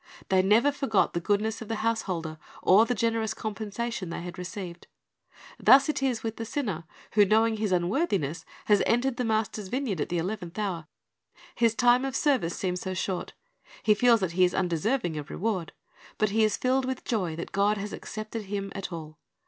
They never forgot the goodness of the householder, or the generous compensation they had received. Thus it is with the sinner, who, knowing his unworthiness, has entered the Master's vineyard at the eleventh hour. His time of service seems so short, he feels that he is undeserving of reward; but he is filled with joy that God has accepted him at all.